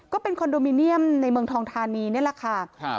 ก็เป็นคอนโดมิเนียมในเมืองทองทานีนี่แหละค่ะ